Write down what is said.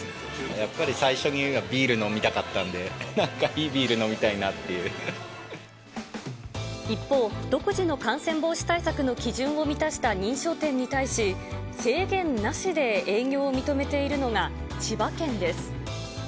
やっぱり最初にはビール飲みたかったんで、なんかいいビール飲み一方、独自の感染防止対策の基準を満たした認証店に対し、制限なしで営業を認めているのが千葉県です。